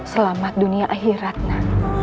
selamat dunia akhirat nda